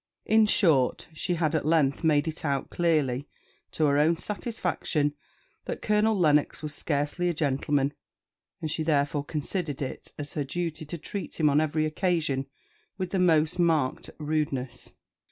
In short, she at length made it out clearly, to her own satisfaction, that Colonel Lennox was scarcely a gentleman; and she therefore considered it as her duty to treat him on every occasion with the most marked rudeness.